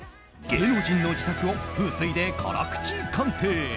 芸能人の自宅を風水で辛口鑑定。